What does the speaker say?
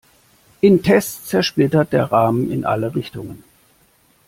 In Tests zersplitterte der Rahmen in alle Richtungen.